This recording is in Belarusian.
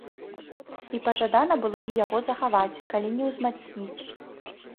І пажадана было б яго захаваць, калі не ўзмацніць.